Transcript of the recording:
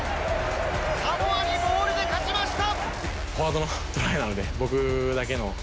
サモアにモールで勝ちました！